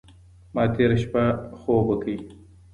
ما تېره شپه خوب وکړ.